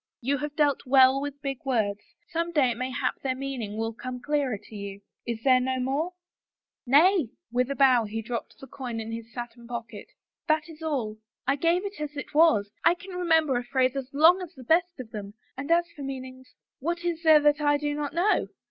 " You have dealt well with big words — some day it may hap their meaning will come clearer to you. Is there no more ?'*" Nay." With a bow he dropped the coin in his satin pocket. "That is all. I gave it as it was — I can re ' member a phrase as long as the best of them, and as for meanings — what is there that I do not know?